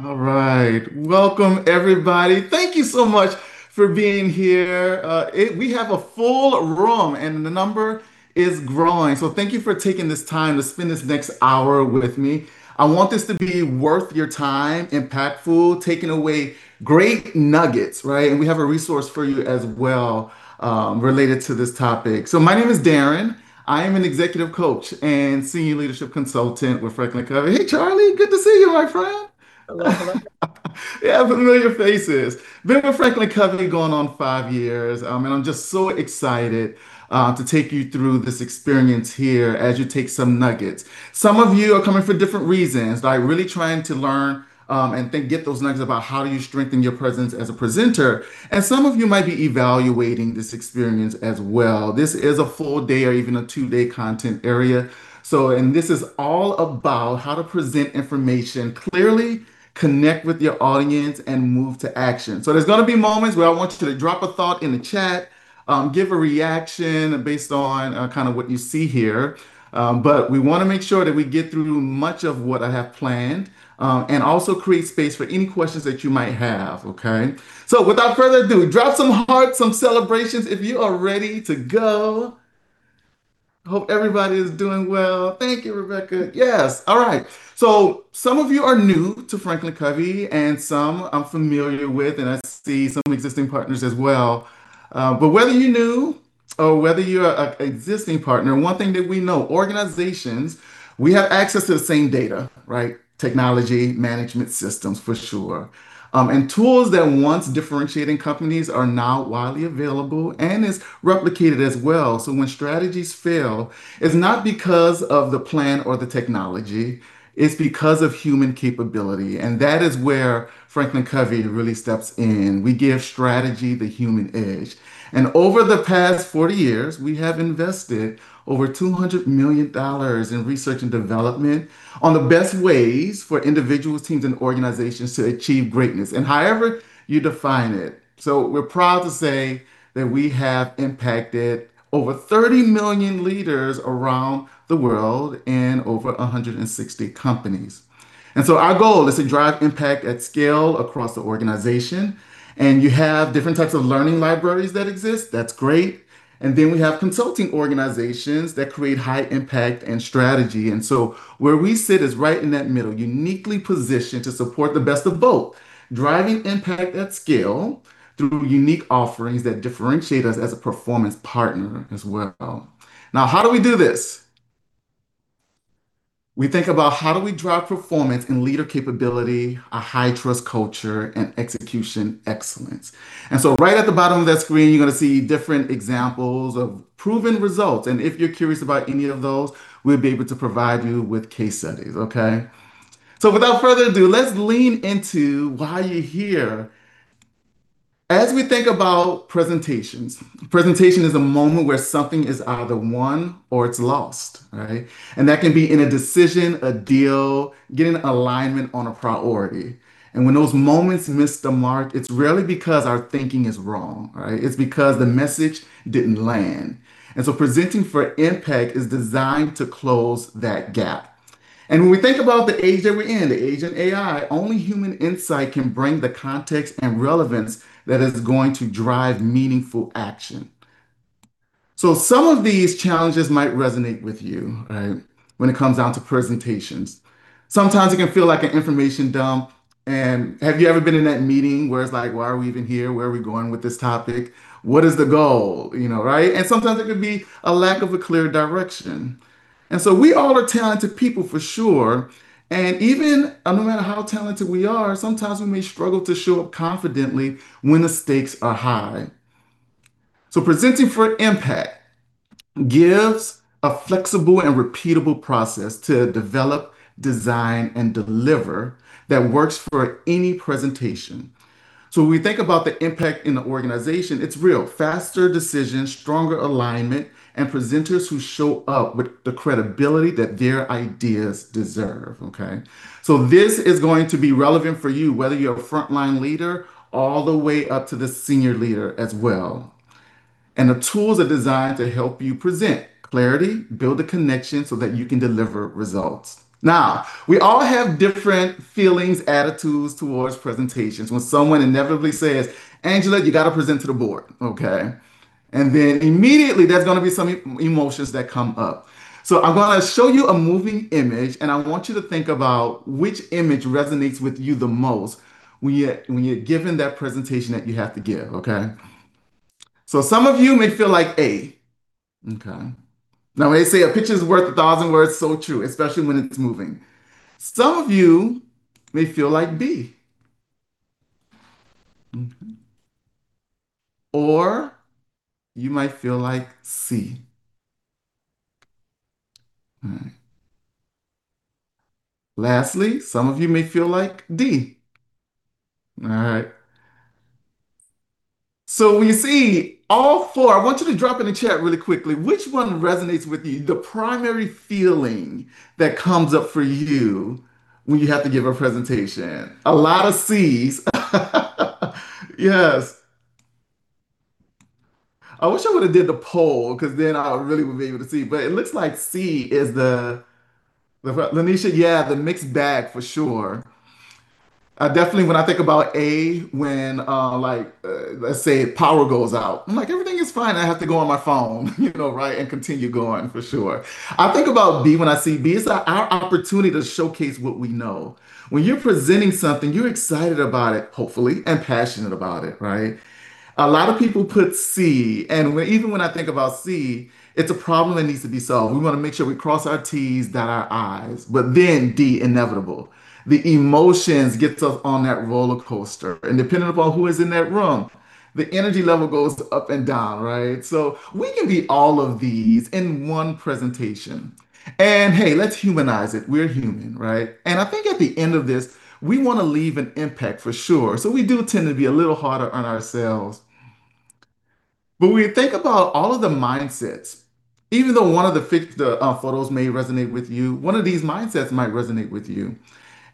Welcome everybody. Thank you so much for being here. We have a full room, and the number is growing. Thank you for taking this time to spend this next hour with me. I want this to be worth your time, impactful, taking away great nuggets. We have a resource for you as well, related to this topic. My name is Darren. I am an Executive Coach and Senior Leadership Consultant with FranklinCovey. Hey, Charlie. Good to see you, my friend. Hello. Yeah. Familiar faces. Been with FranklinCovey going on five years. I'm just so excited to take you through this experience here as you take some nuggets. Some of you are coming for different reasons, by really trying to learn, and then get those nuggets about how do you strengthen your presence as a presenter. Some of you might be evaluating this experience as well. This is a full-day, or even a two-day content area. This is all about how to present information clearly, connect with your audience, and move to action. There's going to be moments where I want you to drop a thought in the chat, give a reaction based on what you see here. We want to make sure that we get through much of what I have planned, and also create space for any questions that you might have. Okay? Without further ado, drop some hearts, some celebrations, if you are ready to go. I hope everybody is doing well. Thank you, Rebecca. Yes. All right. Some of you are new to FranklinCovey, and some I'm familiar with, and I see some existing partners as well. Whether you're new or whether you're an existing partner, one thing that we know, organizations, we have access to the same data. Technology management systems, for sure. Tools that once differentiating companies are now widely available and is replicated as well. When strategies fail, it's not because of the plan or the technology, it's because of human capability. That is where FranklinCovey really steps in. We give strategy the human edge. Over the past 40 years, we have invested over $200 million in research and development on the best ways for individuals, teams, and organizations to achieve greatness in however you define it. We're proud to say that we have impacted over 30 million leaders around the world and over 160 companies. Our goal is to drive impact at scale across the organization. You have different types of learning libraries that exist. That's great. We have consulting organizations that create high impact and strategy. Where we sit is right in that middle, uniquely positioned to support the best of both. Driving impact at scale through unique offerings that differentiate us as a performance partner as well. Now, how do we do this? We think about how do we drive performance in leader capability, a high-trust culture, and execution excellence. Right at the bottom of that screen, you're going to see different examples of proven results. If you're curious about any of those, we'll be able to provide you with case studies. Okay? Without further ado, let's lean into why you're here. As we think about presentations, presentation is a moment where something is either won or it's lost. That can be in a decision, a deal, getting alignment on a priority. When those moments miss the mark, it's rarely because our thinking is wrong. It's because the message didn't land. Presenting for Impact is designed to close that gap. When we think about the age that we're in, the age of AI, only human insight can bring the context and relevance that is going to drive meaningful action. Some of these challenges might resonate with you when it comes down to presentations. Sometimes it can feel like an information dump. Have you ever been in that meeting where it's like, why are we even here? Where are we going with this topic? What is the goal? Sometimes it could be a lack of a clear direction. We all are talented people, for sure. Even no matter how talented we are, sometimes we may struggle to show up confidently when the stakes are high. Presenting for Impact gives a flexible and repeatable process to develop, design, and deliver that works for any presentation. When we think about the impact in the organization, it's real. Faster decisions, stronger alignment, and presenters who show up with the credibility that their ideas deserve. This is going to be relevant for you, whether you're a frontline leader all the way up to the senior leader as well. The tools are designed to help you present clarity, build the connection, so that you can deliver results. Now, we all have different feelings, attitudes towards presentations. When someone inevitably says, Angela, you got to present to the Board. Immediately, there's going to be some emotions that come up. I'm going to show you a moving image, and I want you to think about which image resonates with you the most when you're given that presentation that you have to give. Some of you may feel like A. Now they say a picture's worth a thousand words. True, especially when it's moving. Some of you may feel like B. You might feel like C. Lastly, some of you may feel like D. All right. We see all four. I want you to drop in the chat really quickly, which one resonates with you, the primary feeling that comes up for you when you have to give a presentation. A lot of Cs. Yes. I wish I would have done the poll because I really would be able to see, but it looks like C is the Lanisha, yeah, the mixed bag for sure. Definitely, when I think about A, when let's say, power goes out. I'm like, everything is fine. I have to go on my phone, and continue going, for sure. I think about B. When I see B, it's our opportunity to showcase what we know. When you're presenting something, you're excited about it, hopefully, and passionate about it. A lot of people put C, even when I think about C, it's a problem that needs to be solved. We want to make sure we cross our T's, dot our I's. D, inevitable. The emotions get us on that rollercoaster, depending upon who is in that room, the energy level goes up and down. We can be all of these in one presentation. Hey, let's humanize it. We're human. I think at the end of this, we want to leave an impact for sure. We do tend to be a little harder on ourselves. When we think about all of the mindsets, even though one of the photos may resonate with you, one of these mindsets might resonate with you.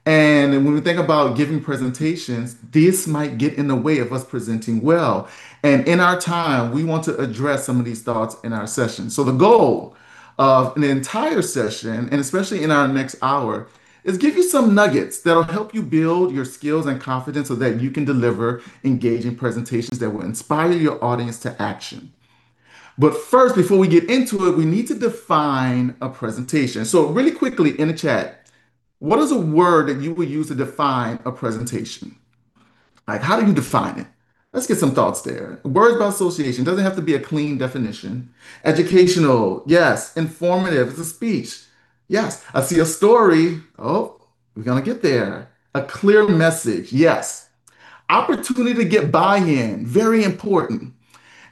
When we think about giving presentations, this might get in the way of us presenting well. In our time, we want to address some of these thoughts in our session. The goal of an entire session, especially in our next hour, is give you some nuggets that'll help you build your skills and confidence so that you can deliver engaging presentations that will inspire your audience to action. First, before we get into it, we need to define a presentation. Really quickly, in the chat, what is a word that you would use to define a presentation? How do you define it? Let's get some thoughts there. Words by association. Doesn't have to be a clean definition. Educational, yes. Informative. It's a speech. Yes. I see a story. Oh, we're going to get there. A clear message. Yes. Opportunity to get buy-in. Very important.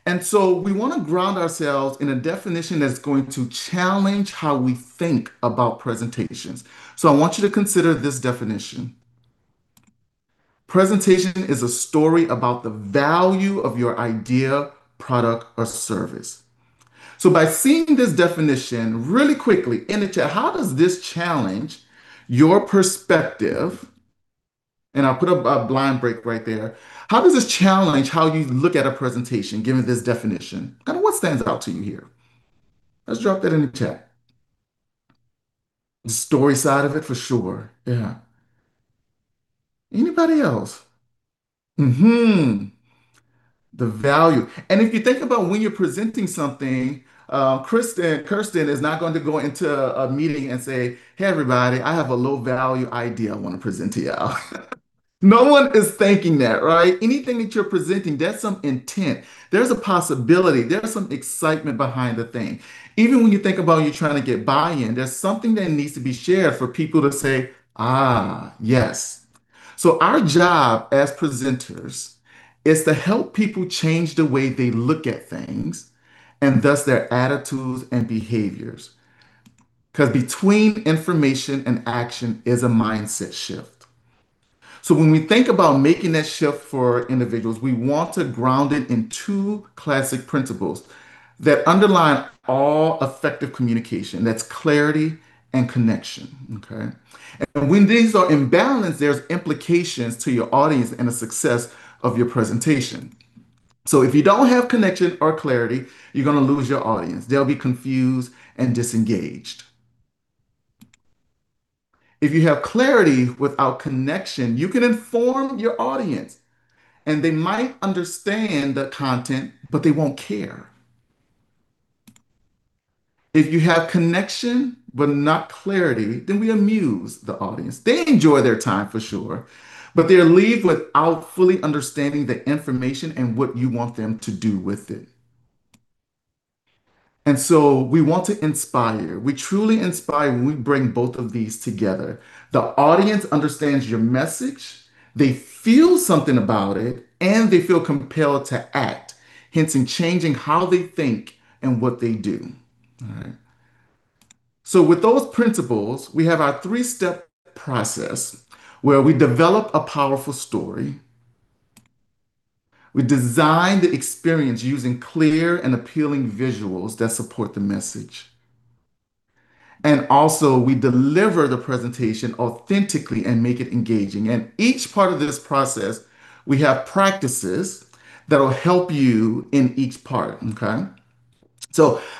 We want to ground ourselves in a definition that's going to challenge how we think about presentations. I want you to consider this definition. Presentation is a story about the value of your idea, product, or service. By seeing this definition, really quickly in the chat, how does this challenge your perspective? I put a blind break right there. How does this challenge how you look at a presentation, given this definition? What stands out to you here? Let's drop that in the chat. The story side of it, for sure. Yeah. Anybody else? The value. If you think about when you're presenting something, Kirsten is not going to go into a meeting and say, hey, everybody, I have a low-value idea I want to present to y'all. No one is thinking that. Anything that you're presenting, there's some intent. There's a possibility. There's some excitement behind the thing. Even when you think about you trying to get buy-in, there's something that needs to be shared for people to say, yes. Our job as presenters is to help people change the way they look at things, and thus their attitudes and behaviors. Because between information and action is a mindset shift. When we think about making that shift for individuals, we want to ground it in two classic principles that underline all effective communication. That's clarity and connection. Okay. When these are imbalanced, there's implications to your audience and the success of your presentation. If you don't have connection or clarity, you're going to lose your audience. They'll be confused and disengaged. If you have clarity without connection, you can inform your audience, and they might understand the content, but they won't care. If you have connection but not clarity, then we amuse the audience. They enjoy their time for sure, but they leave without fully understanding the information and what you want them to do with it. We want to inspire. We truly inspire when we bring both of these together. The audience understands your message, they feel something about it, and they feel compelled to act, hence in changing how they think and what they do. All right. With those principles, we have our three-step process where we develop a powerful story, we design the experience using clear and appealing visuals that support the message, and also we deliver the presentation authentically and make it engaging. Each part of this process, we have practices that will help you in each part. Okay.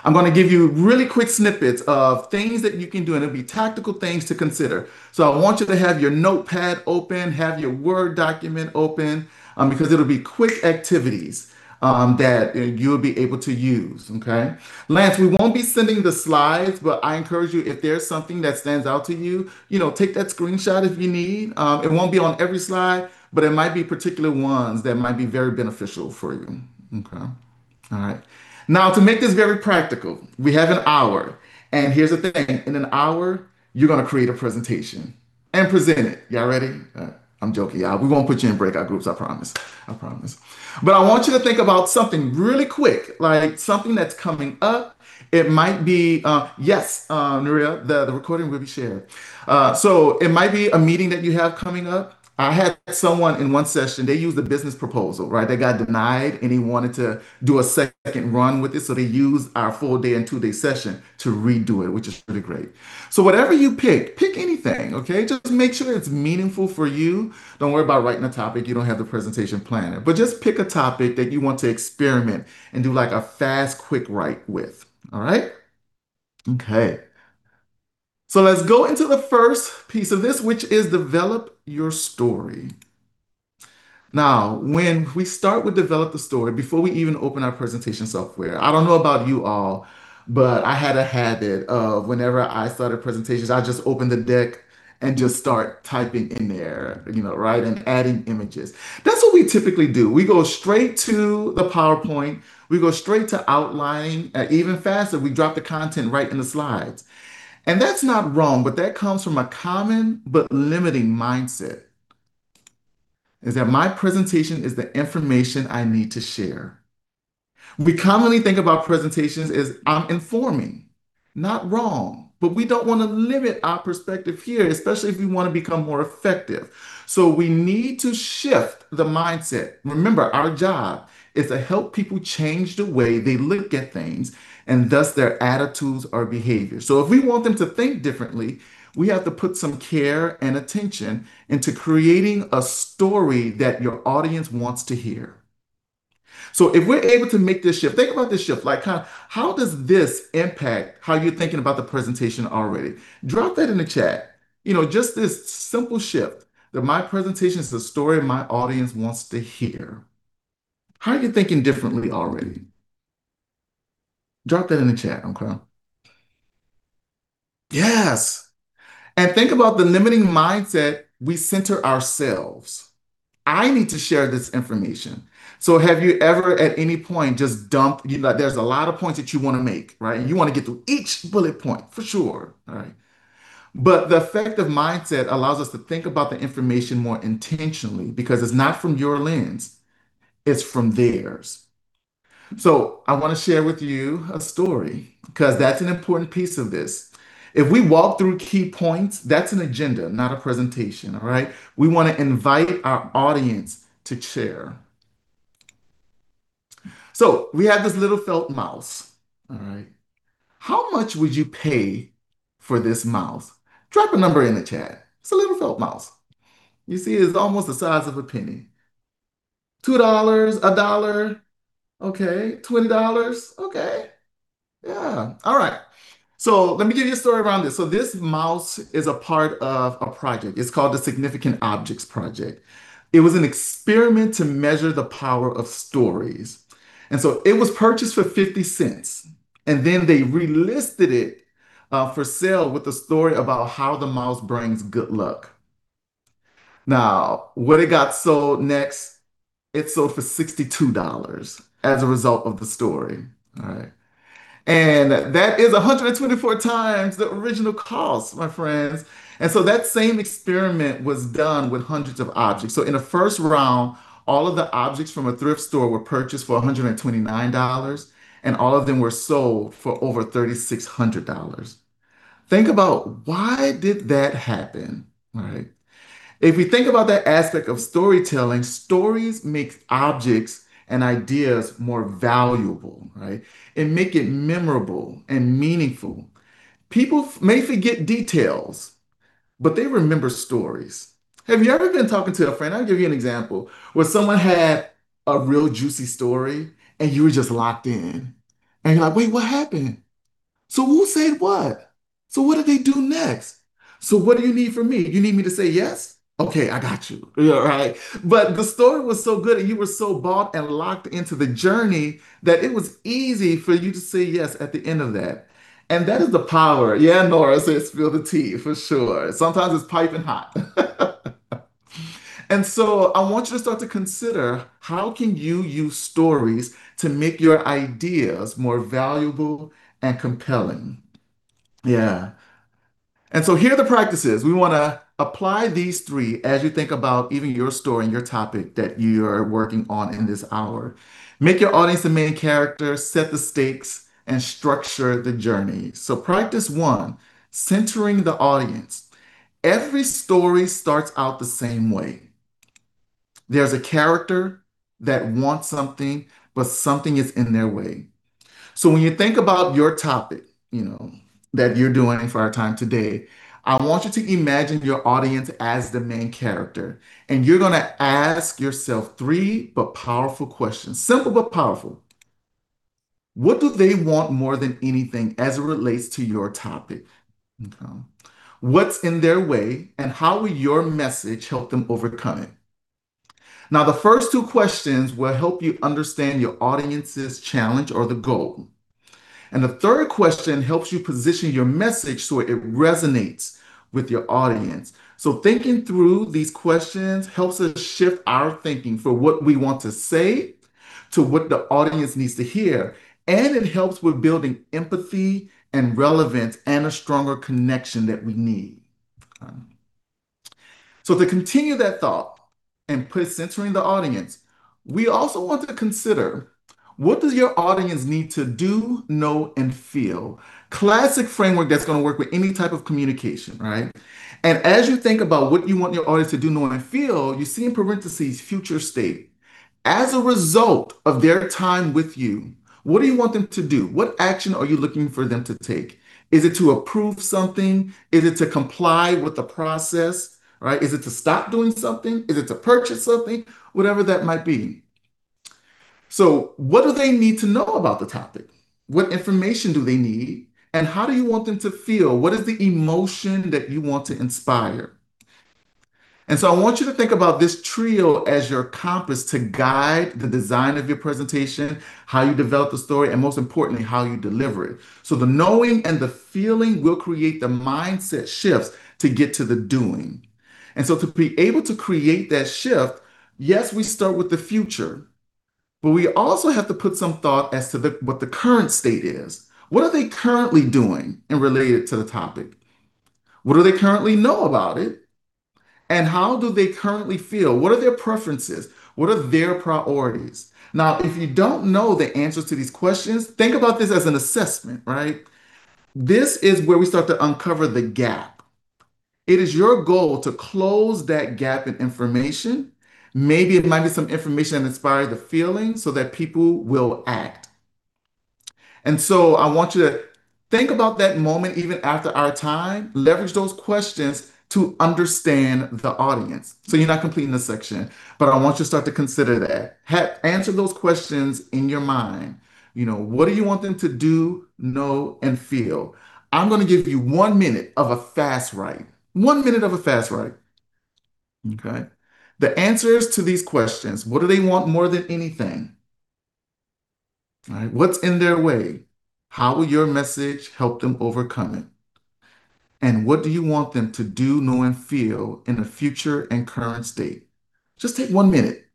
I'm going to give you really quick snippets of things that you can do, and it'll be tactical things to consider. I want you to have your notepad open, have your Word document open, because it'll be quick activities that you'll be able to use. Okay. Lance, we won't be sending the slides, but I encourage you, if there's something that stands out to you, take that screenshot if you need. It won't be on every slide, but it might be particular ones that might be very beneficial for you. Okay. All right. To make this very practical, we have an hour, and here's the thing. In an hour, you're going to create a presentation and present it. Y'all ready? I'm joking, y'all. We won't put you in breakout groups, I promise. I promise. I want you to think about something really quick, like something that's coming up. Yes, Maria, the recording will be shared. It might be a meeting that you have coming up. I had someone in one session, they used a business proposal. They got denied, and he wanted to do a second run with it. They used our full-day and two-day session to redo it, which is really great. Whatever you pick anything. Okay? Just make sure it's meaningful for you. Don't worry about writing a topic. You don't have the presentation planner. Just pick a topic that you want to experiment and do a fast, quick write with. All right? Okay. Let's go into the first piece of this, which is develop your story. When we start with develop the story, before we even open our presentation software, I don't know about you all, but I had a habit of whenever I started presentations, I just opened the deck and just start typing in there, and adding images. That's what we typically do. We go straight to the PowerPoint. We go straight to outlining. Even faster, we drop the content right in the slides. That's not wrong, but that comes from a common but limiting mindset, is that my presentation is the information I need to share. We commonly think about presentations as I'm informing. Not wrong, but we don't want to limit our perspective here, especially if we want to become more effective. We need to shift the mindset. Remember, our job is to help people change the way they look at things, and thus their attitudes or behaviors. If we want them to think differently, we have to put some care and attention into creating a story that your audience wants to hear. If we're able to make this shift, think about this shift, how does this impact how you're thinking about the presentation already? Drop that in the chat. Just this simple shift, that my presentation is the story my audience wants to hear. How are you thinking differently already? Drop that in the chat. Okay. Yes. Think about the limiting mindset we center ourselves. I need to share this information. Have you ever at any point just dumped. There's a lot of points that you want to make. You want to get through each bullet point, for sure. All right. The effective mindset allows us to think about the information more intentionally because it's not from your lens, it's from theirs. I want to share with you a story, because that's an important piece of this. If we walk through key points, that's an agenda, not a presentation. We want to invite our audience to share. We have this little felt mouse. How much would you pay for this mouse? Drop a number in the chat. It's a little felt mouse. You see it's almost the size of a penny. $2, $1. Okay, $20. Okay. Yeah. All right. Let me give you a story around this. This mouse is a part of a project. It's called the Significant Objects Project. It was an experiment to measure the power of stories. It was purchased for $0.50, and then they relisted it for sale with a story about how the mouse brings good luck. Now, what it got sold next, it sold for $62 as a result of the story. All right. That is 124x the original cost, my friends. That same experiment was done with hundreds of objects. In the first round, all of the objects from a thrift store were purchased for $129, and all of them were sold for over $3,600. Think about why did that happen? If we think about that aspect of storytelling, stories make objects and ideas more valuable. Make it memorable and meaningful. People may forget details, but they remember stories. Have you ever been talking to a friend, I'll give you an example, where someone had a real juicy story, and you were just locked in. You're like, wait, what happened? Who said what? What did they do next? What do you need from me? You need me to say yes? Okay, I got you. Right? The story was so good, and you were so bought and locked into the journey, that it was easy for you to say yes at the end of that. That is the power. Yeah. Nora says, spill the tea. For sure. Sometimes it's piping hot. I want you to start to consider how can you use stories to make your ideas more valuable and compelling. Yeah. Here are the practices. We want to apply these three as you think about even your story and your topic that you are working on in this hour. Make your audience the main character, set the stakes, and structure the journey. Practice one, centering the audience. Every story starts out the same way. There's a character that wants something, but something is in their way. When you think about your topic that you're doing for our time today, I want you to imagine your audience as the main character, you're going to ask yourself three but powerful questions. Simple but powerful. What do they want more than anything as it relates to your topic? What's in their way, and how will your message help them overcome it? The first two questions will help you understand your audience's challenge or the goal. The third question helps you position your message so it resonates with your audience. Thinking through these questions helps us shift our thinking for what we want to say to what the audience needs to hear. It helps with building empathy and relevance and a stronger connection that we need. To continue that thought and put centering the audience, we also want to consider what does your audience need to do, know, and feel? Classic framework that's going to work with any type of communication. As you think about what you want your audience to do, know, and feel, you see in parentheses future state. As a result of their time with you, what do you want them to do? What action are you looking for them to take? Is it to approve something? Is it to comply with the process? Is it to stop doing something? Is it to purchase something? Whatever that might be. What do they need to know about the topic? What information do they need? How do you want them to feel? What is the emotion that you want to inspire? I want you to think about this trio as your compass to guide the design of your presentation, how you develop the story, and most importantly, how you deliver it. The knowing and the feeling will create the mindset shifts to get to the doing. To be able to create that shift, yes, we start with the future. We also have to put some thought as to what the current state is. What are they currently doing in related to the topic? What do they currently know about it? How do they currently feel? What are their preferences? What are their priorities? If you don't know the answers to these questions, think about this as an assessment. This is where we start to uncover the gap. It is your goal to close that gap in information. Maybe it might be some information that inspires the feeling so that people will act. I want you to think about that moment even after our time. Leverage those questions to understand the audience. You're not completing this section, but I want you to start to consider that. Answer those questions in your mind. What do you want them to do, know, and feel? I'm going to give you one minute of a fast write. One minute of a fast write. Okay. The answers to these questions, what do they want more than anything? What's in their way? How will your message help them overcome it? What do you want them to do, know, and feel in the future and current state? Just take one minute.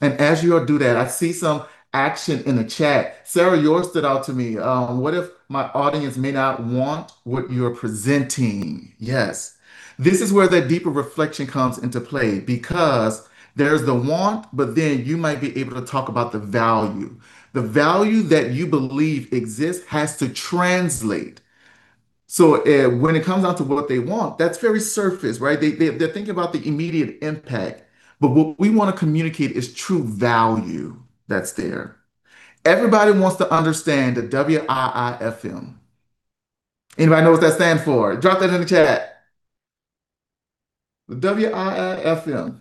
As you all do that, I see some action in the chat. Sarah, yours stood out to me. What if my audience may not want what you're presenting? Yes. This is where that deeper reflection comes into play because there's the want, you might be able to talk about the value. The value that you believe exists has to translate. When it comes down to what they want, that's very surface, right? They're thinking about the immediate impact, but what we want to communicate is true value that's there. Everybody wants to understand the WIIFM. Anybody know what that stand for? Drop that in the chat. The WIIFM.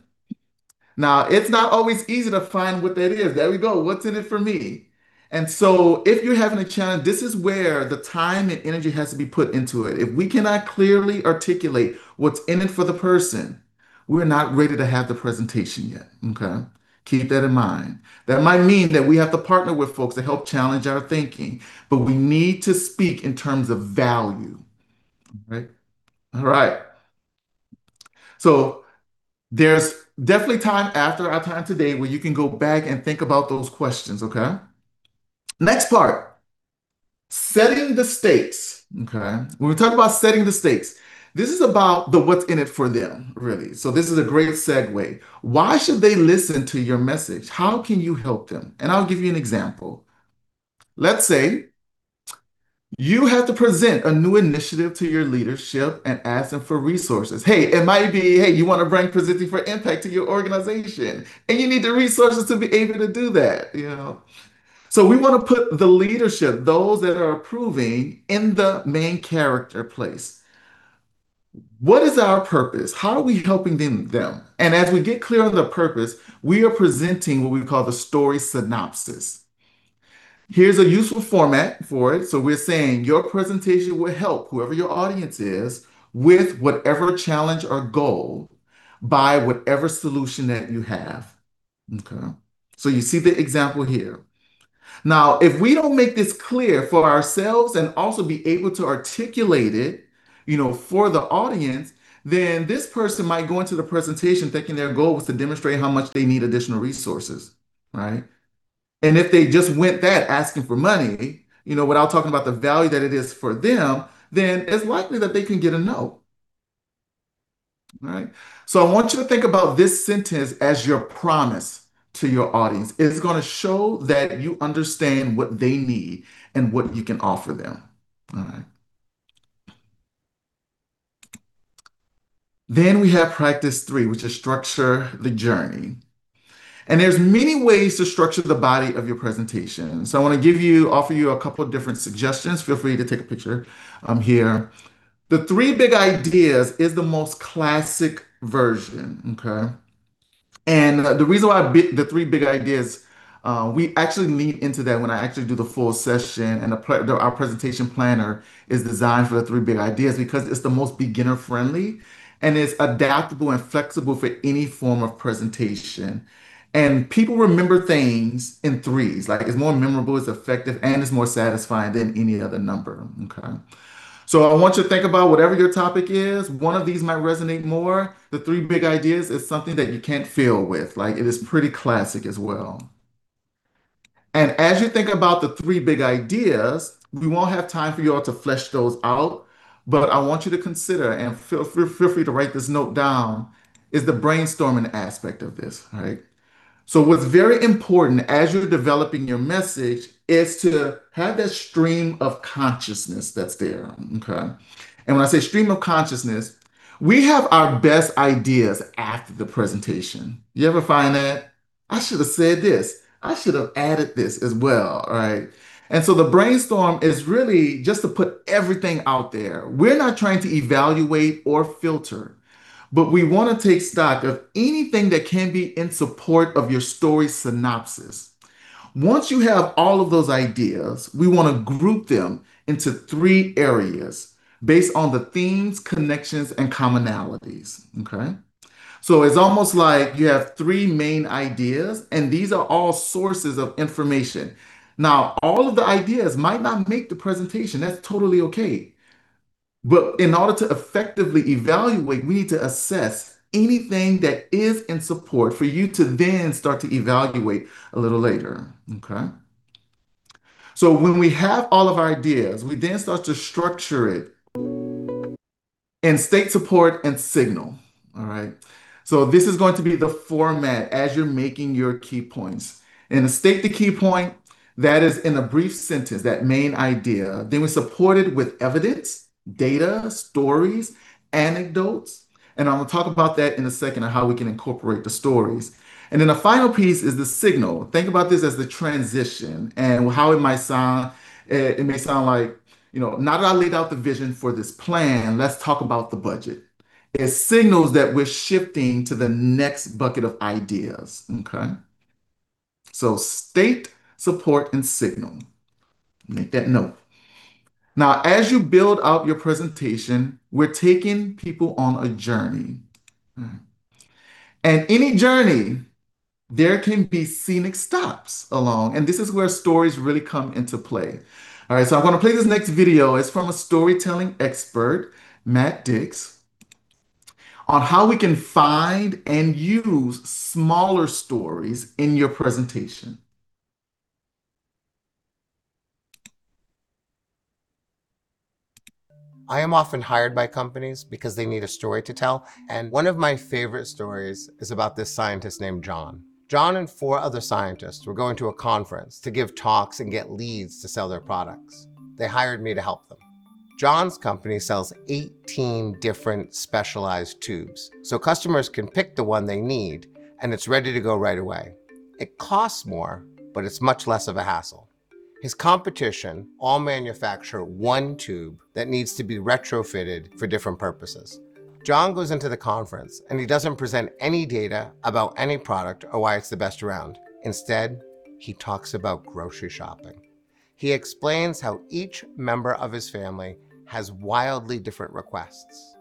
Now, it's not always easy to find what that is. There we go. What's in it for me? If you're having a challenge, this is where the time and energy has to be put into it. If we cannot clearly articulate what's in it for the person, we're not ready to have the presentation yet. Okay? Keep that in mind. That might mean that we have to partner with folks to help challenge our thinking, but we need to speak in terms of value. All right. There's definitely time after our time today where you can go back and think about those questions, okay? Next part, setting the stakes. Okay. When we talk about setting the stakes, this is about the what's in it for them, really. This is a great segue. Why should they listen to your message? How can you help them? I'll give you an example. Let's say you have to present a new initiative to your leadership and ask them for resources. Hey, it might be, hey, you want to bring Presenting for Impact to your organization, you need the resources to be able to do that. We want to put the leadership, those that are approving, in the main character place. What is our purpose? How are we helping them? As we get clear on the purpose, we are presenting what we call the story synopsis. Here's a useful format for it. We're saying your presentation will help whoever your audience is with whatever challenge or goal by whatever solution that you have. Okay. You see the example here. Now, if we don't make this clear for ourselves and also be able to articulate it for the audience, then this person might go into the presentation thinking their goal was to demonstrate how much they need additional resources, right? If they just went that, asking for money, without talking about the value that it is for them, then it's likely that they can get a no. All right. I want you to think about this sentence as your promise to your audience. It is going to show that you understand what they need and what you can offer them. All right. We have practice three, which is structure the journey. There's many ways to structure the body of your presentation. I want to offer you a couple of different suggestions. Feel free to take a picture here. The three big ideas is the most classic version. Okay. The reason why the three big ideas, we actually lean into that when I actually do the full session and our presentation planner is designed for the three big ideas because it's the most beginner-friendly, and it's adaptable and flexible for any form of presentation. People remember things in threes. It's more memorable, it's effective, and it's more satisfying than any other number. Okay. I want you to think about whatever your topic is. One of these might resonate more. The three big ideas is something that you can't fail with. It is pretty classic as well. As you think about the three big ideas, we won't have time for you all to flesh those out, but I want you to consider, and feel free to write this note down, is the brainstorming aspect of this. All right? What's very important as you're developing your message is to have that stream of consciousness that's there. Okay. When I say stream of consciousness, we have our best ideas after the presentation. You ever find that? I should have said this. I should have added this as well. The brainstorm is really just to put everything out there. We're not trying to evaluate or filter, but we want to take stock of anything that can be in support of your story synopsis. Once you have all of those ideas, we want to group them into three areas based on the themes, connections, and commonalities. Okay? It's almost like you have three main ideas, and these are all sources of information. All of the ideas might not make the presentation. That's totally okay. But in order to effectively evaluate, we need to assess anything that is in support for you to then start to evaluate a little later. Okay? When we have all of our ideas, we then start to structure it in state, support, and signal. All right? This is going to be the format as you're making your key points. To state the key point, that is in a brief sentence, that main idea. We support it with evidence, data, stories, anecdotes. I'm going to talk about that in a second on how we can incorporate the stories. The final piece is the signal. Think about this as the transition and how it might sound. It may sound like, now that I laid out the vision for this plan, let's talk about the budget. It signals that we're shifting to the next bucket of ideas. Okay? State, support, and signal. Make that note. As you build out your presentation, we're taking people on a journey. Any journey, there can be scenic stops along, and this is where stories really come into play. All right, I'm going to play this next video. It's from a storytelling expert, Matt Dicks, on how we can find and use smaller stories in your presentation. I am often hired by companies because they need a story to tell. One of my favorite stories is about this scientist named John. John and four other scientists were going to a conference to give talks and get leads to sell their products. They hired me to help them. John's company sells 18 different specialized tubes, so customers can pick the one they need, and it is ready to go right away. It costs more, but it is much less of a hassle. His competition all manufacture one tube that needs to be retrofitted for different purposes. John goes into the conference. He doesn't present any data about any product or why it is the best around. Instead, he talks about grocery shopping. He explains how each member of his family has wildly different requests.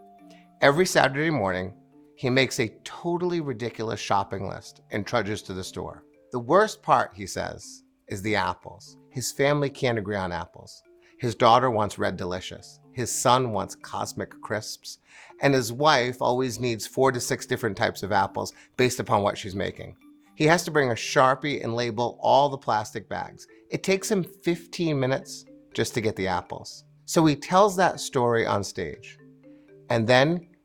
Every Saturday morning, he makes a totally ridiculous shopping list and trudges to the store. The worst part, he says, is the apples. His family cannot agree on apples. His daughter wants Red Delicious. His son wants Cosmic Crisp. His wife always needs four to six different types of apples based upon what she is making. He has to bring a Sharpie and label all the plastic bags. It takes him 15 minutes just to get the apples. He tells that story on stage.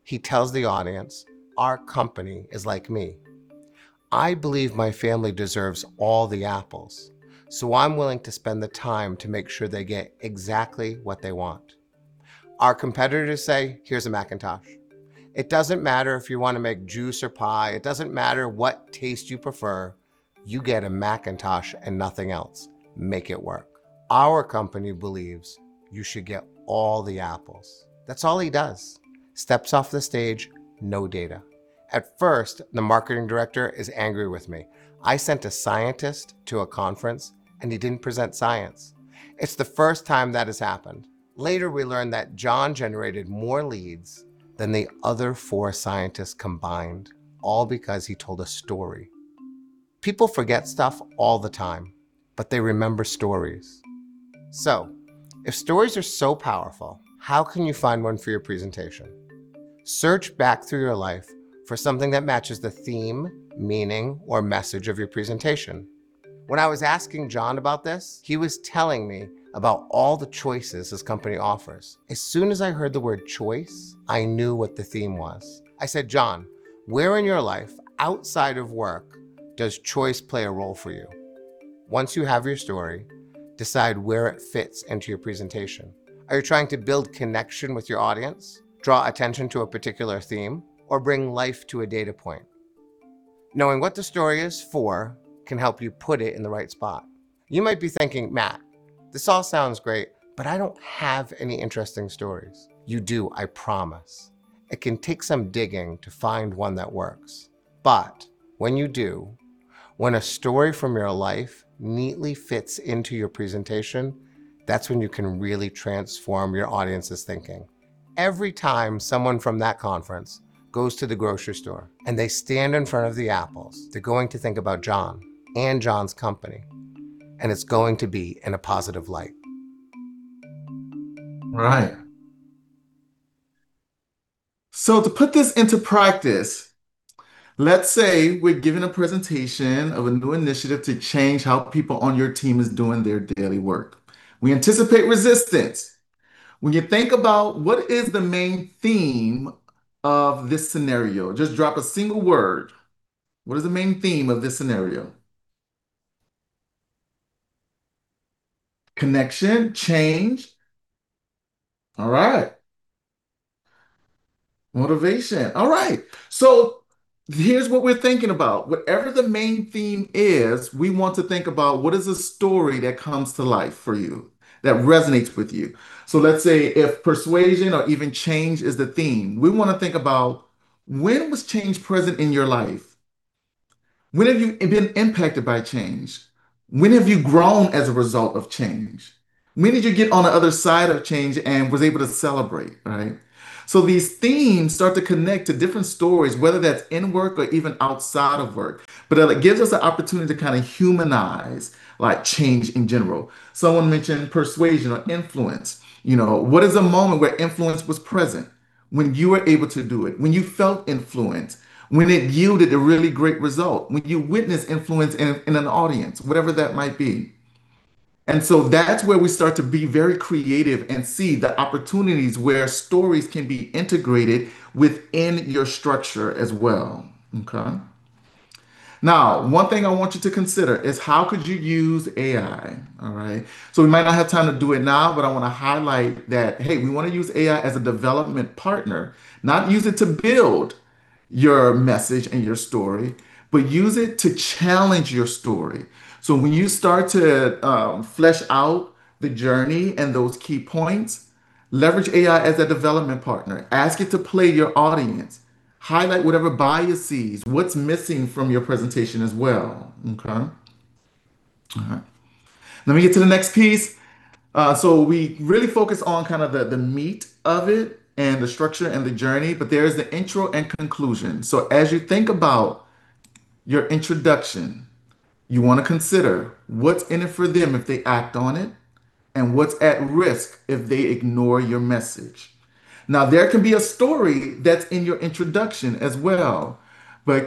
He tells the audience, our company is like me. I believe my family deserves all the apples, so I am willing to spend the time to make sure they get exactly what they want. Our competitors say, here is a McIntosh. It does not matter if you want to make juice or pie. It does not matter what taste you prefer. You get a McIntosh and nothing else. Make it work. Our company believes you should get all the apples. That is all he does. Steps off the stage, no data. At first, the Marketing Director is angry with me. I sent a scientist to a conference. He did not present science. It is the first time that has happened. Later, we learn that John generated more leads than the other four scientists combined, all because he told a story. People forget stuff all the time. They remember stories. If stories are so powerful, how can you find one for your presentation? Search back through your life for something that matches the theme, meaning, or message of your presentation. When I was asking John about this, he was telling me about all the choices his company offers. As soon as I heard the word choice, I knew what the theme was. I said, John, where in your life outside of work does choice play a role for you? Once you have your story, decide where it fits into your presentation. Are you trying to build connection with your audience, draw attention to a particular theme, or bring life to a data point? Knowing what the story is for can help you put it in the right spot. You might be thinking, Matt, this all sounds great. I do not have any interesting stories. You do, I promise. It can take some digging to find one that works. When you do, when a story from your life neatly fits into your presentation, that is when you can really transform your audience's thinking. Every time someone from that conference goes to the grocery store and they stand in front of the apples, they're going to think about John and John's company, and it's going to be in a positive light. Right. To put this into practice, let's say we're giving a presentation of a new initiative to change how people on your team is doing their daily work. We anticipate resistance. When you think about what is the main theme of this scenario, just drop a single word. What is the main theme of this scenario? Connection. Change. All right. Motivation. All right. Here's what we're thinking about. Whatever the main theme is, we want to think about what is a story that comes to life for you, that resonates with you. Let's say if persuasion or even change is the theme, we want to think about when was change present in your life? When have you been impacted by change? When have you grown as a result of change? When did you get on the other side of change and was able to celebrate, right. These themes start to connect to different stories, whether that's in work or even outside of work. It gives us an opportunity to humanize change in general. Someone mentioned persuasion or influence. What is a moment where influence was present, when you were able to do it, when you felt influence, when it yielded a really great result, when you witnessed influence in an audience, whatever that might be. That's where we start to be very creative and see the opportunities where stories can be integrated within your structure as well. Okay. Now, one thing I want you to consider is how could you use AI? All right. We might not have time to do it now, but I want to highlight that, hey, we want to use AI as a development partner. Not use it to build your message and your story, but use it to challenge your story. When you start to flesh out the journey and those key points, leverage AI as a development partner. Ask it to play your audience. Highlight whatever biases, what's missing from your presentation as well. Okay. All right. Let me get to the next piece. We really focus on the meat of it, and the structure, and the journey, but there is the intro and conclusion. As you think about your introduction, you want to consider what's in it for them if they act on it, and what's at risk if they ignore your message. Now, there can be a story that's in your introduction as well.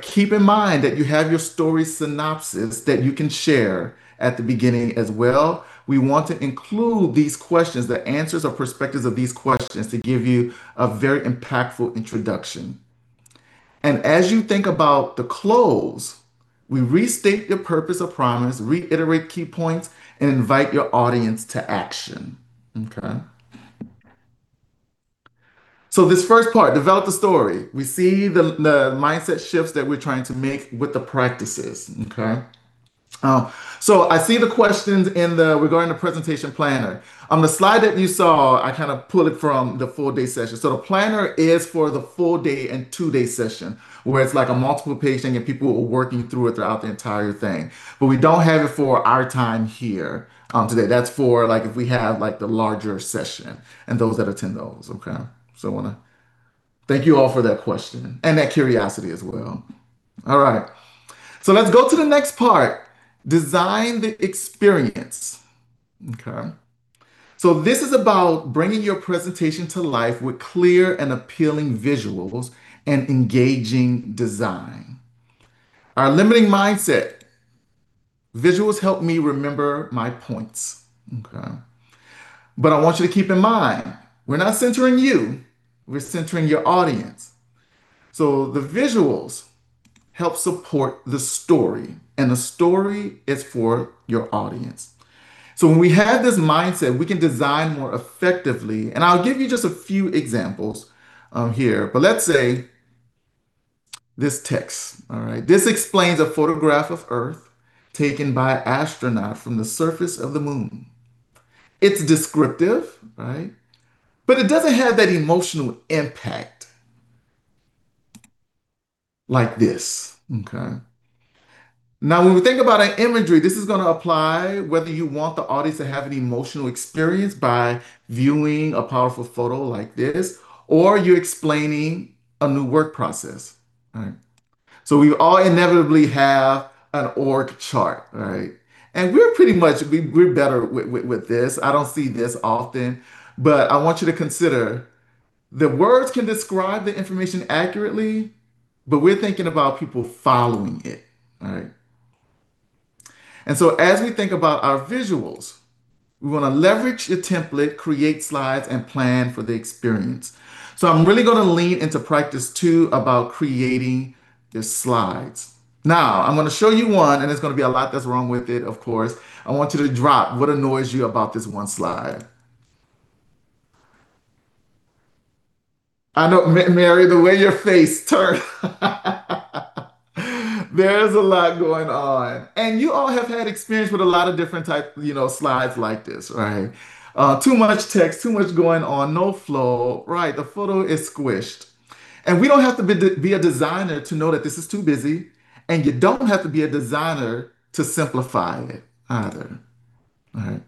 Keep in mind that you have your story synopsis that you can share at the beginning as well. We want to include these questions, the answers or perspectives of these questions, to give you a very impactful introduction. As you think about the close, we restate your purpose or promise, reiterate key points, and invite your audience to action. This first part, develop the story. We see the mindset shifts that we're trying to make with the practices. I see the questions regarding the presentation planner. On the slide that you saw, I pulled it from the full-day session. The planner is for the full-day and two-day session, where it's like a multiple-pacing, and people are working through it throughout the entire thing. But we don't have it for our time here today. That's for if we have the larger session and those that attend those. I want to thank you all for that question, and that curiosity as well. All right. Let's go to the next part. Design the experience. This is about bringing your presentation to life with clear and appealing visuals and engaging design. Our limiting mindset. Visuals help me remember my points. I want you to keep in mind, we're not centering you. We're centering your audience. The visuals help support the story, and the story is for your audience. When we have this mindset, we can design more effectively, and I'll give you just a few examples here. Let's say this text. All right. This explains a photograph of Earth taken by an astronaut from the surface of the moon. It's descriptive, right? It doesn't have that emotional impact, like this. When we think about our imagery, this is going to apply whether you want the audience to have an emotional experience by viewing a powerful photo like this, or you're explaining a new work process. All right. We all inevitably have an org chart, right? We're better with this. I don't see this often. I want you to consider, the words can describe the information accurately, but we're thinking about people following it. All right. As we think about our visuals, we want to leverage the template, create slides, and plan for the experience. I'm really going to lean into practice two about creating the slides. I'm going to show you one, and there's going to be a lot that's wrong with it, of course. I want you to drop what annoys you about this one slide. I know, Mary, the way your face turned. There is a lot going on. You all have had experience with a lot of different type slides like this, right? Too much text, too much going on, no flow. Right. The photo is squished. We don't have to be a designer to know that this is too busy, and you don't have to be a designer to simplify it either. All right.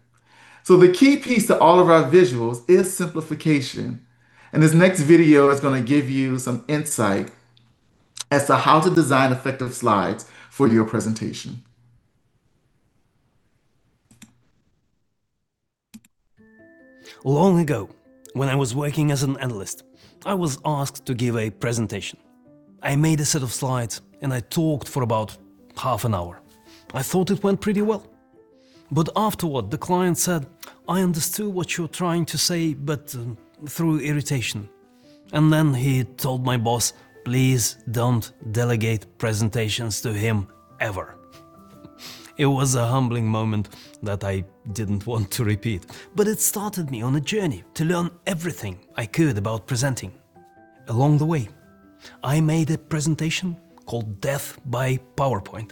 The key piece to all of our visuals is simplification. This next video is going to give you some insight as to how to design effective slides for your presentation. Long ago, when I was working as an analyst, I was asked to give a presentation. I made a set of slides and I talked for about half an hour. I thought it went pretty well. Afterward, the client said, I understood what you're trying to say, but through irritation. He told my boss, please don't delegate presentations to him ever. It was a humbling moment that I didn't want to repeat. It started me on a journey to learn everything I could about presenting. Along the way, I made a presentation called Death by PowerPoint.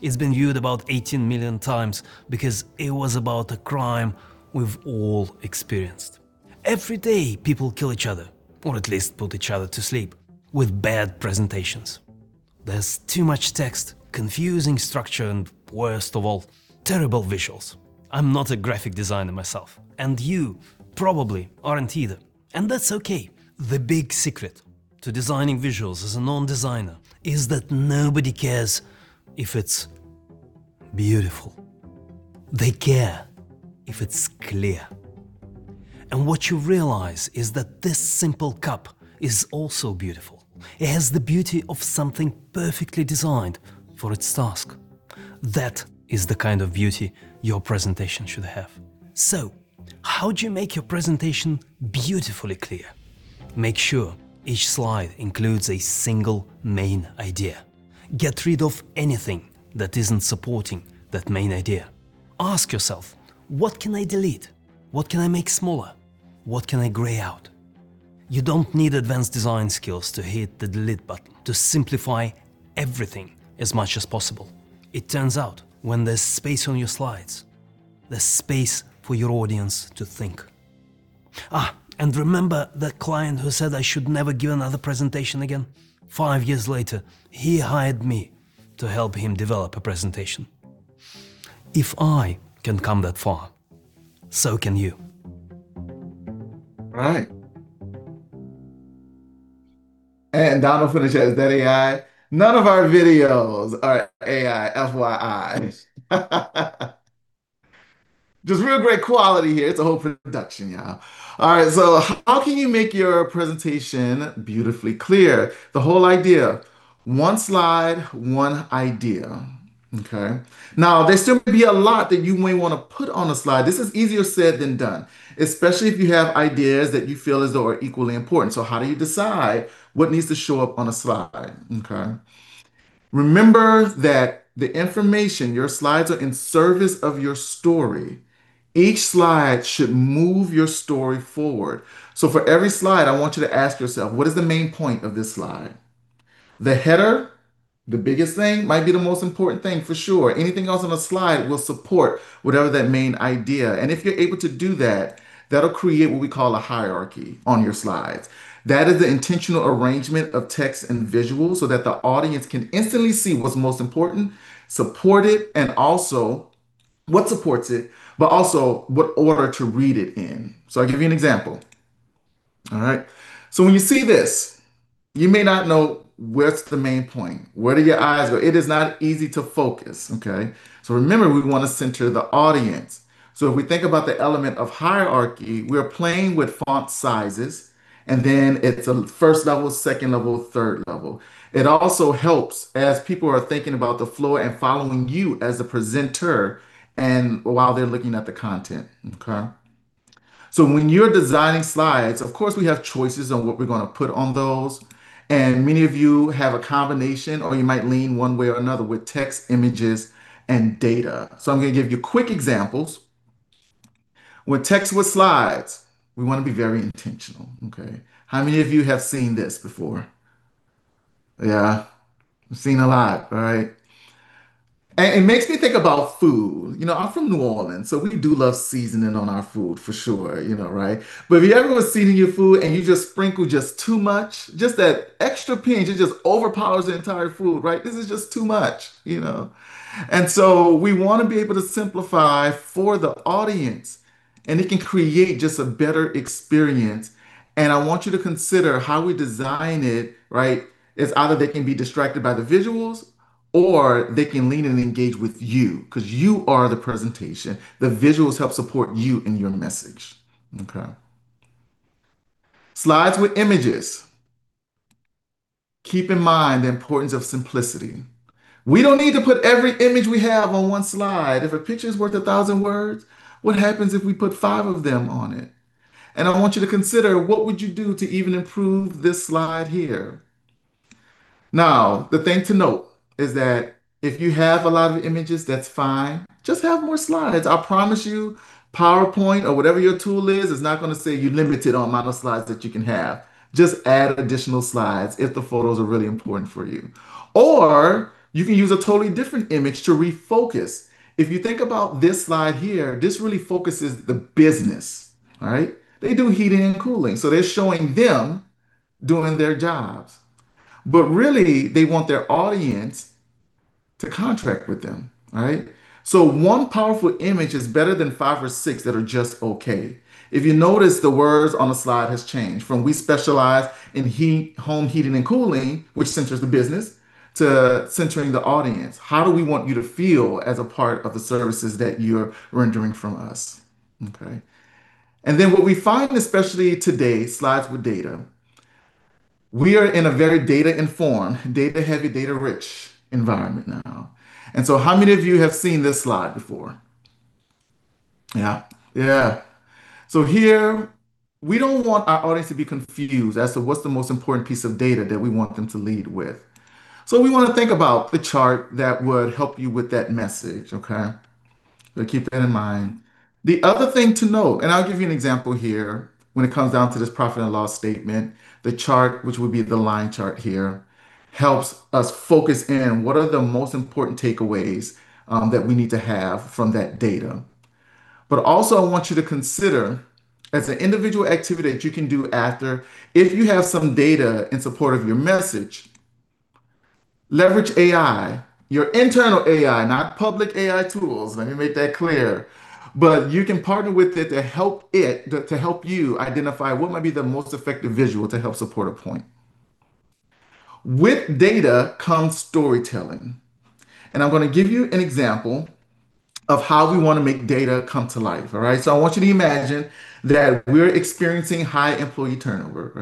It's been viewed about 18 million times because it was about a crime we've all experienced. Every day, people kill each other, or at least put each other to sleep, with bad presentations. There's too much text, confusing structure, and worst of all, terrible visuals. I'm not a graphic designer myself. You probably aren't either. That's okay. The big secret to designing visuals as a non-designer is that nobody cares if it's beautiful. They care if it's clear. What you realize is that this simple cup is also beautiful. It has the beauty of something perfectly designed for its task. That is the kind of beauty your presentation should have. How do you make your presentation beautifully clear? Make sure each slide includes a single main idea. Get rid of anything that isn't supporting that main idea. Ask yourself, what can I delete? What can I make smaller? What can I gray out? You don't need advanced design skills to hit the delete button to simplify everything as much as possible. It turns out, when there's space on your slides, there's space for your audience to think. Remember the client who said I should never give another presentation again? Five years later, he hired me to help him develop a presentation. If I can come that far, so can you. All right. Donald finishes, "That AI." None of our videos are AI, FYI. Just real great quality here. It's a whole production, y'all. How can you make your presentation beautifully clear? The whole idea, one slide, one idea. Okay. There's still going to be a lot that you may want to put on a slide. This is easier said than done, especially if you have ideas that you feel as though are equally important. How do you decide what needs to show up on a slide? Okay. Remember that the information, your slides are in service of your story. Each slide should move your story forward. For every slide, I want you to ask yourself, what is the main point of this slide? The header, the biggest thing, might be the most important thing, for sure. Anything else on a slide will support whatever that main idea. If you're able to do that'll create what we call a hierarchy on your slides. That is the intentional arrangement of text and visuals so that the audience can instantly see what's most important, support it, and also what supports it, but also what order to read it in. I'll give you an example. All right. When you see this, you may not know where's the main point. Where do your eyes go? It is not easy to focus. Okay. Remember, we want to center the audience. If we think about the element of hierarchy, we are playing with font sizes, and then it's a first level, second level, third level. It also helps as people are thinking about the flow and following you as a presenter and while they're looking at the content. Okay. When you're designing slides, of course, we have choices on what we're going to put on those. Many of you have a combination, or you might lean one way or another with text, images, and data. I'm going to give you quick examples. With text with slides, we want to be very intentional, okay. How many of you have seen this before? Yeah. I've seen a lot. All right. It makes me think about food. I'm from New Orleans, we do love seasoning on our food for sure. If you ever were seasoning your food and you just sprinkle just too much, just that extra pinch, it just overpowers the entire food. This is just too much. We want to be able to simplify for the audience, and it can create just a better experience. I want you to consider how we design it. It's either they can be distracted by the visuals, or they can lean and engage with you because you are the presentation. The visuals help support you and your message. Okay. Slides with images. Keep in mind the importance of simplicity. We don't need to put every image we have on one slide. If a picture's worth a thousand words, what happens if we put five of them on it? I want you to consider, what would you do to even improve this slide here? The thing to note is that if you have a lot of images, that's fine. Just have more slides. I promise you, PowerPoint or whatever your tool is, it's not going to say you're limited on amount of slides that you can have. Just add additional slides if the photos are really important for you. You can use a totally different image to refocus. If you think about this slide here, this really focuses the business. All right. They do heating and cooling, they're showing them doing their jobs. Really, they want their audience to contract with them. All right. One powerful image is better than five or six that are just okay. If you notice, the words on the slide has changed from, we specialize in home heating and cooling, which centers the business, to centering the audience. How do we want you to feel as a part of the services that you're rendering from us? Okay. What we find, especially today, slides with data. We are in a very data-informed, data-heavy, data-rich environment now. How many of you have seen this slide before? Yeah. Here, we don't want our audience to be confused as to what's the most important piece of data that we want them to lead with. We want to think about the chart that would help you with that message. Okay? Keep that in mind. The other thing to note, and I'll give you an example here, when it comes down to this profit and loss statement, the chart, which would be the line chart here, helps us focus in. What are the most important takeaways that we need to have from that data? Also, I want you to consider, as an individual activity that you can do after, if you have some data in support of your message, leverage AI, your internal AI, not public AI tools. Let me make that clear. You can partner with it to help you identify what might be the most effective visual to help support a point. With data comes storytelling, I'm going to give you an example of how we want to make data come to life. All right? I want you to imagine that we're experiencing high employee turnover.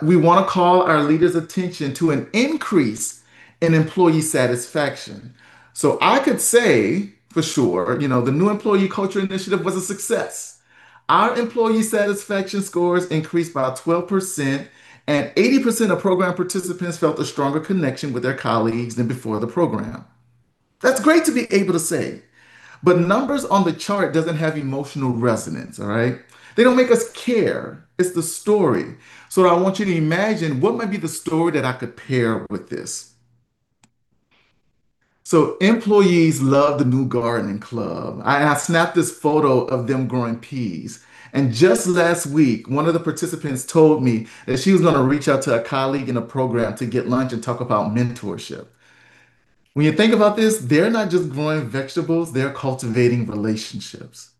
We want to call our leaders' attention to an increase in employee satisfaction. I could say for sure, the new employee culture initiative was a success. Our employee satisfaction scores increased by 12%, and 80% of program participants felt a stronger connection with their colleagues than before the program. That's great to be able to say, numbers on the chart doesn't have emotional resonance. All right? They don't make us care. It's the story. I want you to imagine what might be the story that I could pair with this. Employees love the new gardening club. I snapped this photo of them growing peas, just last week, one of the participants told me that she was going to reach out to a colleague in a program to get lunch and talk about mentorship. When you think about this, they're not just growing vegetables, they're cultivating relationships.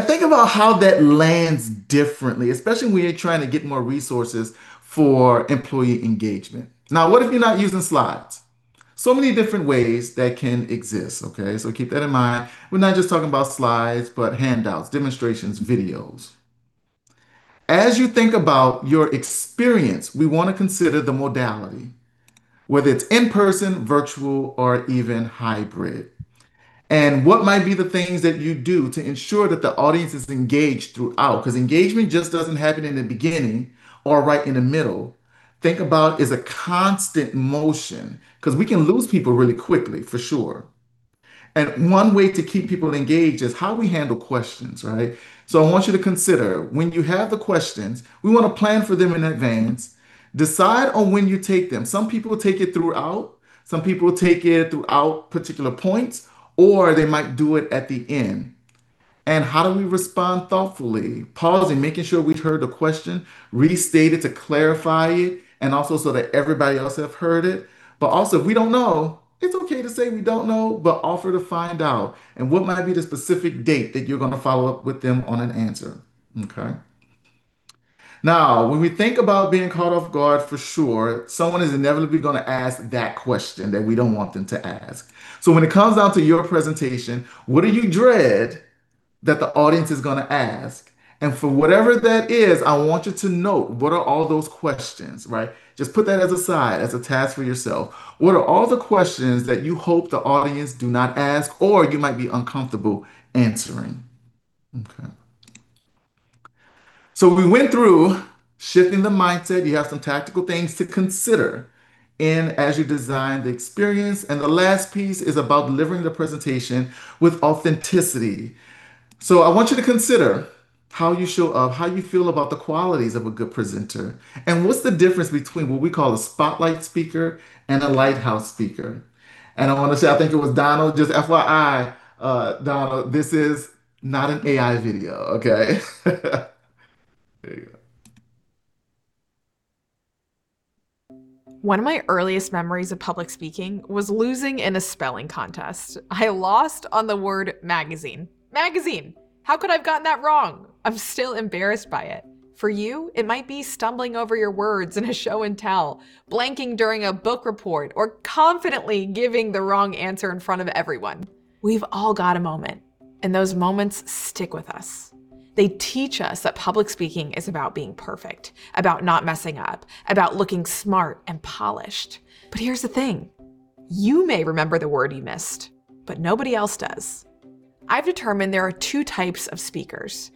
Think about how that lands differently, especially when you're trying to get more resources for employee engagement. What if you're not using slides? Many different ways that can exist. Okay, keep that in mind. We're not just talking about slides, but handouts, demonstrations, videos. As you think about your experience, we want to consider the modality, whether it's in-person, virtual, or even hybrid, and what might be the things that you do to ensure that the audience is engaged throughout. Engagement just doesn't happen in the beginning or right in the middle. Think about as a constant motion, because we can lose people really quickly, for sure. One way to keep people engaged is how we handle questions. Right? I want you to consider when you have the questions, we want to plan for them in advance. Decide on when you take them. Some people take it throughout. Some people take it throughout particular points, or they might do it at the end. How do we respond thoughtfully? Pausing, making sure we've heard the question, restate it to clarify it, and also so that everybody else have heard it. Also, if we don't know, it's okay to say we don't know, but offer to find out. What might be the specific date that you're going to follow up with them on an answer. Okay. When we think about being caught off guard, for sure, someone is inevitably going to ask that question that we don't want them to ask. When it comes down to your presentation, what do you dread that the audience is going to ask? For whatever that is, I want you to note, what are all those questions, right? Just put that as a side, as a task for yourself. What are all the questions that you hope the audience do not ask, or you might be uncomfortable answering? Okay. We went through shifting the mindset. You have some tactical things to consider in as you design the experience. The last piece is about delivering the presentation with authenticity. I want you to consider how you show up, how you feel about the qualities of a good presenter, and what's the difference between what we call a spotlight speaker and a lighthouse speaker. I want to say, I think it was Donald. Just FYI, Donald, this is not an AI video. Okay. There you go. One of my earliest memories of public speaking was losing in a spelling contest. I lost on the word magazine. Magazine. How could I have gotten that wrong? I'm still embarrassed by it. For you, it might be stumbling over your words in a show-and-tell, blanking during a book report, or confidently giving the wrong answer in front of everyone. We've all got a moment, and those moments stick with us. They teach us that public speaking is about being perfect, about not messing up, about looking smart and polished. Here's the thing. You may remember the word you missed, but nobody else does. I've determined there are two types of speakers.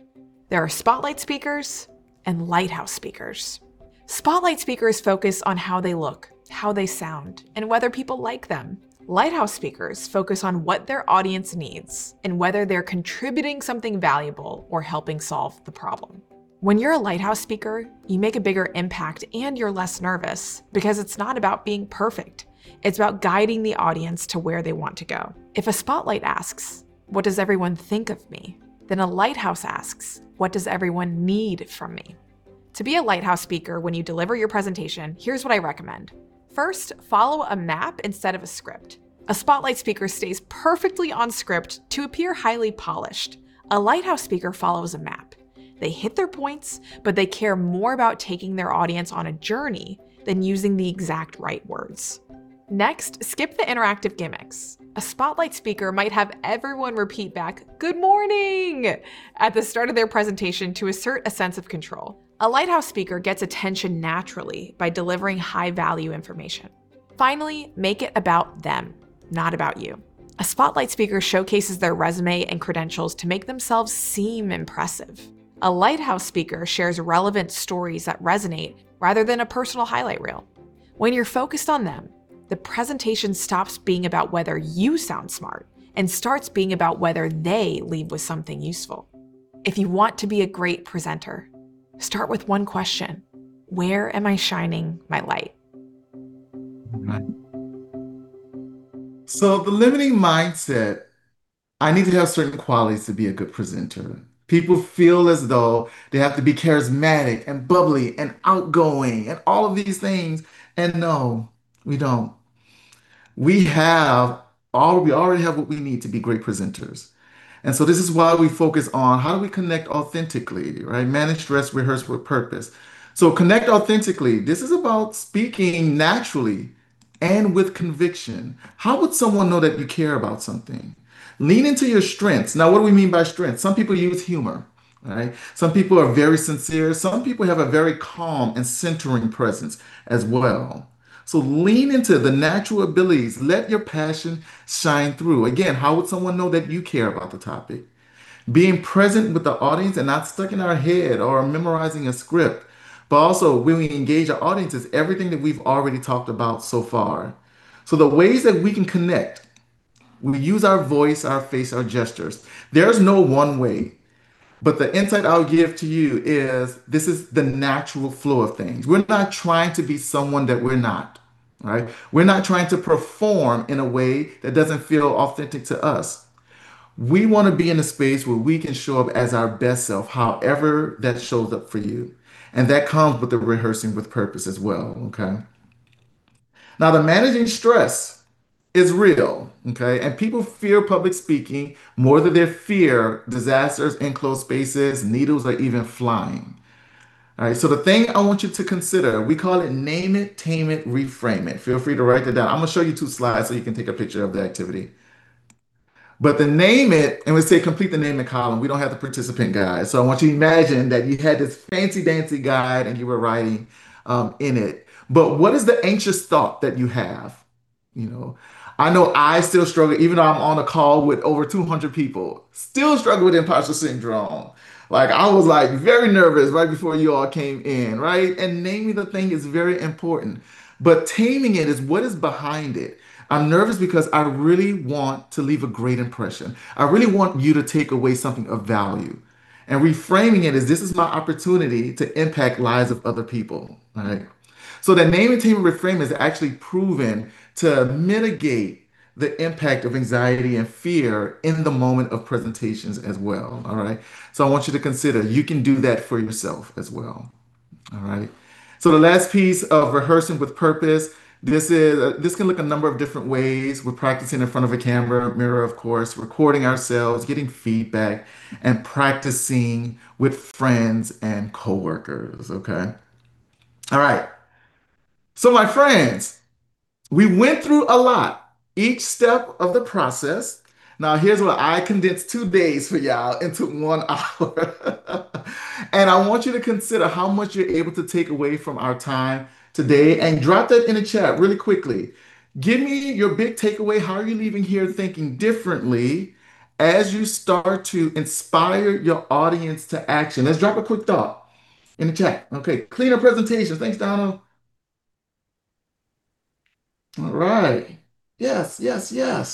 There are spotlight speakers and lighthouse speakers. Spotlight speakers focus on how they look, how they sound, and whether people like them. Lighthouse speakers focus on what their audience needs and whether they're contributing something valuable or helping solve the problem. When you're a lighthouse speaker, you make a bigger impact, and you're less nervous because it's not about being perfect. It's about guiding the audience to where they want to go. If a spotlight asks, what does everyone think of me? A lighthouse asks, what does everyone need from me? To be a lighthouse speaker when you deliver your presentation, here's what I recommend. First, follow a map instead of a script. A spotlight speaker stays perfectly on script to appear highly polished. A lighthouse speaker follows a map. They hit their points, but they care more about taking their audience on a journey than using the exact right words. Next, skip the interactive gimmicks. A spotlight speaker might have everyone repeat back, Good morning at the start of their presentation to assert a sense of control. A lighthouse speaker gets attention naturally by delivering high-value information. Finally, make it about them, not about you. A spotlight speaker showcases their resume and credentials to make themselves seem impressive. A lighthouse speaker shares relevant stories that resonate rather than a personal highlight reel. When you're focused on them, the presentation stops being about whether you sound smart and starts being about whether they leave with something useful. If you want to be a great presenter, start with one question: Where am I shining my light? Right. The limiting mindset, I need to have certain qualities to be a good presenter. People feel as though they have to be charismatic and bubbly and outgoing, and all of these things, and no, we don't. We already have what we need to be great presenters. This is why we focus on how do we connect authentically, right? Manage stress, rehearse with purpose. Connect authentically. This is about speaking naturally and with conviction. How would someone know that you care about something? Lean into your strengths. Now, what do we mean by strengths? Some people use humor, right? Some people are very sincere. Some people have a very calm and centering presence as well. Lean into the natural abilities. Let your passion shine through. Again, how would someone know that you care about the topic? Being present with the audience and not stuck in our head or memorizing a script, but also when we engage our audiences, everything that we've already talked about so far. The ways that we can connect, we use our voice, our face, our gestures. There's no one way, but the insight I'll give to you is this is the natural flow of things. We're not trying to be someone that we're not, right? We're not trying to perform in a way that doesn't feel authentic to us. We want to be in a space where we can show up as our best self, however that shows up for you, and that comes with the rehearsing with purpose as well, okay? Now, the managing stress is real, okay? People fear public speaking more than they fear disasters, enclosed spaces, needles, or even flying. All right. The thing I want you to consider, we call it Name It, Tame It, Reframe It. Feel free to write that down. I'm going to show you two slides so you can take a picture of the activity. The name it, and we say complete the name it column. We don't have the participant guide. I want you to imagine that you had this fancy dancy guide and you were writing in it. What is the anxious thought that you have? I know I still struggle, even though I'm on a call with over 200 people, still struggle with imposter syndrome. I was very nervous right before you all came in, right? Naming the thing is very important, but taming it is what is behind it. I'm nervous because I really want to leave a great impression. I really want you to take away something of value. Reframing it is, this is my opportunity to impact lives of other people. Right? That name it, tame it, reframe it is actually proven to mitigate the impact of anxiety and fear in the moment of presentations as well. All right. I want you to consider, you can do that for yourself as well. All right. The last piece of rehearsing with purpose. This can look a number of different ways. We're practicing in front of a camera, mirror, of course, recording ourselves, getting feedback, and practicing with friends and coworkers. Okay? All right. My friends, we went through a lot. Each step of the process. Now, here's where I condensed two days for you all into one hour. I want you to consider how much you're able to take away from our time today, and drop that in the chat really quickly. Give me your big takeaway. How are you leaving here thinking differently as you start to inspire your audience to action? Let's drop a quick thought in the chat. Okay. Cleaner presentation. Thanks, Donna. All right. Yes. Yeah.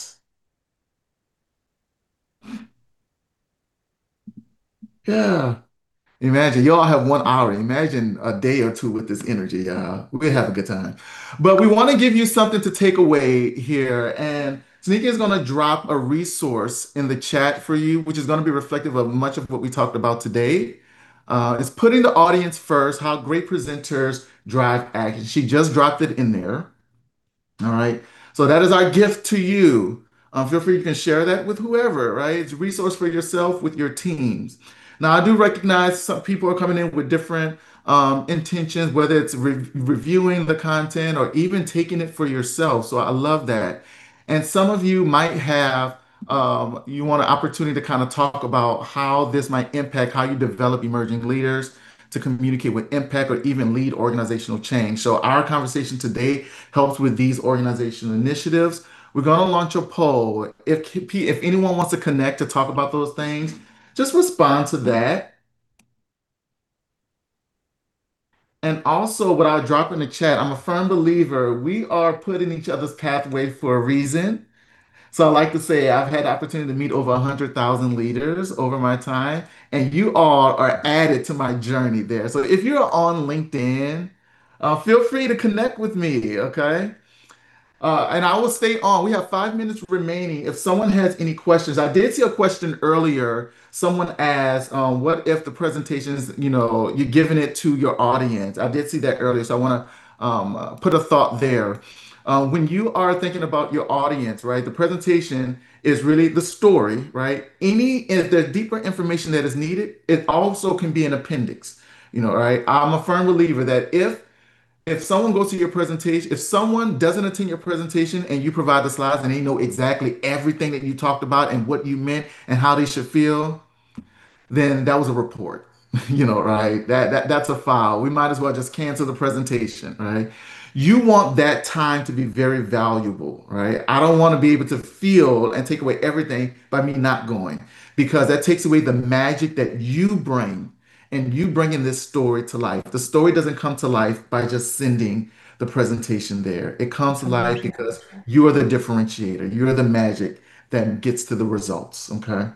Imagine, you all have one hour. Imagine a day or two with this energy. We would have a good time. We want to give you something to take away here, and Sunika is going to drop a resource in the chat for you, which is going to be reflective of much of what we talked about today. It's, Putting the Audience First: How Great Presenters Drive Action. She just dropped it in there. All right. That is our gift to you. Feel free, you can share that with whoever, right? It's a resource for yourself, with your teams. Now, I do recognize some people are coming in with different intentions, whether it's reviewing the content or even taking it for yourself. I love that. Some of you might have, you want an opportunity to talk about how this might impact how you develop emerging leaders to communicate with impact or even lead organizational change. Our conversation today helps with these organizational initiatives. We're going to launch a poll. If anyone wants to connect to talk about those things, just respond to that. Also, what I dropped in the chat, I'm a firm believer we are put in each other's pathway for a reason. I like to say I've had opportunity to meet over 100,000 leaders over my time, and you all are added to my journey there. If you're on LinkedIn, feel free to connect with me, okay? I will stay on. We have five minutes remaining, if someone has any questions. I did see a question earlier. Someone asked, what if the presentation is, you're giving it to your audience. I did see that earlier, I want to put a thought there. When you are thinking about your audience, right, the presentation is really the story, right? If there's deeper information that is needed, it also can be an appendix. I'm a firm believer that if someone doesn't attend your presentation and you provide the slides, and they know exactly everything that you talked about and what you meant and how they should feel, then that was a report. That's a file. We might as well just cancel the presentation, right? You want that time to be very valuable, right? I don't want to be able to feel and take away everything by me not going, because that takes away the magic that you bring, and you bringing this story to life. The story doesn't come to life by just sending the presentation there. It comes to life because you are the differentiator. You are the magic that gets to the results, okay?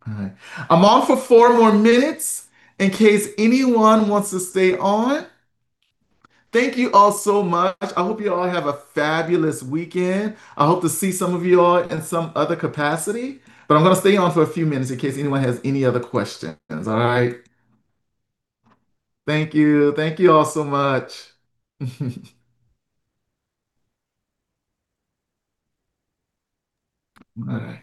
All right. I'm on for four more minutes in case anyone wants to stay on. Thank you all so much. I hope you all have a fabulous weekend. I hope to see some of you all in some other capacity. I'm going to stay on for a few minutes in case anyone has any other questions. All right. Thank you. Thank you all so much. All right.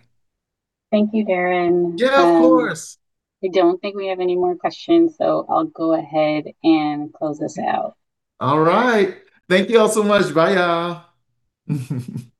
Thank you, Darren. Yeah, of course. I don't think we have any more questions. I'll go ahead and close this out. All right. Thank you all so much. Bye y'all.